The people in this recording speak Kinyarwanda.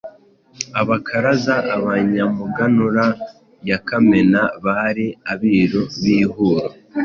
Abakaraza Abanyamiganura Ya Kamena Bari Abiru b ‘ I Huro.